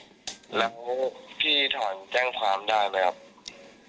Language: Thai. แล้วพี่ถอนแจ้งความได้ไหมครับ